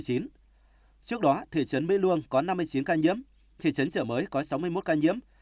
trước đó thị trấn bê luông có năm mươi chín ca nhiễm thị trấn sở mới có sáu mươi một ca nhiễm